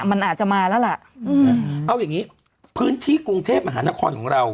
มันอาจจะมาแล้วล่ะเอาอย่างงี้พื้นที่กรุงเทพมหานครของเรา